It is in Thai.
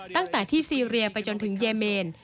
ตั้งแต่ที่ซีเรียไปจนถึงเยเมน